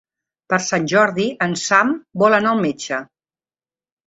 Per Sant Jordi en Sam vol anar al metge.